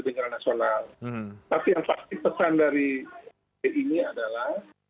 bencana nasional tapi yang pasti pesan dari npp ini adalah